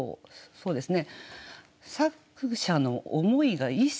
そうですね。